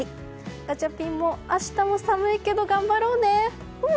ガチャピンも明日も寒いけど頑張ろうね！